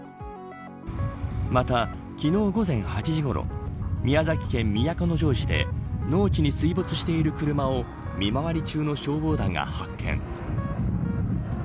また、昨日午前８時ごろ宮崎県都城市で農地に水没している車を見回り中の消防団が発見。